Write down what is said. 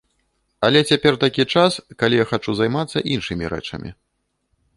Але цяпер такі час, калі я хачу займацца іншымі рэчамі.